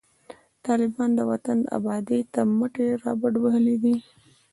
طالبان د وطن آبادۍ ته مټي رابډوهلي دي